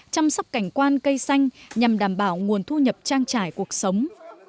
chăm sóc cảnh quan cây xanh nhằm đảm bảo nguồn thu nhập trang trải cuộc sống